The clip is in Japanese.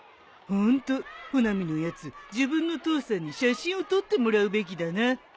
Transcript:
ホント穂波のやつ自分の父さんに写真を撮ってもらうべきだな。